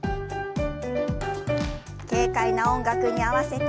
軽快な音楽に合わせて。